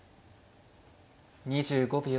２５秒。